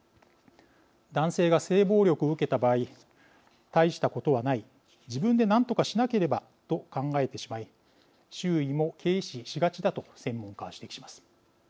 男性が性暴力を受けた場合大したことはない自分で何とかしなければと考えてしまい周囲も軽視しがちだと専門家は指摘します。